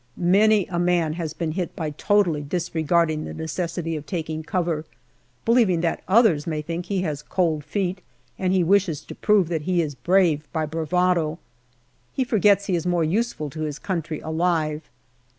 Many a man has been hit by totally disregarding the necessity of taking cover, believing that others may think he has " cold feet," and he wishes to prove that he is brave by bravado. He forgets he is more useful to his country alive.